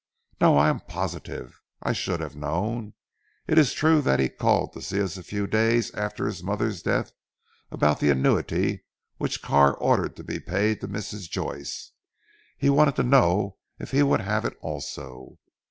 "No! I am positive. I should have known. It is true that he called to see us a few days after his mother's death, about the annuity which Carr ordered to be paid to Mrs. Joyce. He wanted to know if he would have it also.